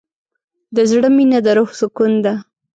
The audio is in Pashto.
د زړه مینه د روح سکون ده.